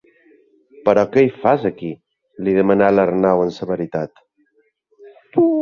Però què hi fas, aquí? —li demana l'Arnau amb severitat.